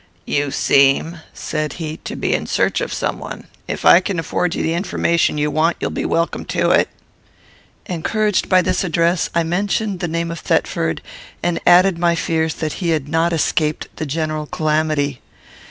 "You seem," said he, "to be in search of some one. If I can afford you the information you want, you will be welcome to it." Encouraged by this address, I mentioned the name of Thetford; and added my fears that he had not escaped the general calamity.